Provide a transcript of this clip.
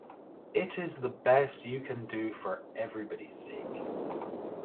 It is the best you can do for everybody's sake.